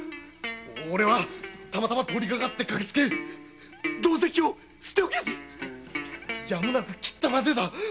オレはたまたま通りかかって駆けつけろうぜきを捨て置けずやむなく斬ったまでだ。